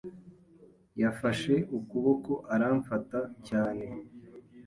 Yafashe ukuboko aramfata cyane.